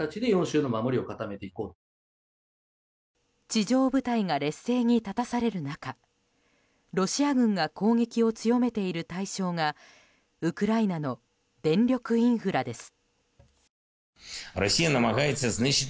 地上部隊が劣勢に立たされる中ロシア軍が攻撃を強めている対象がウクライナの電力インフラです。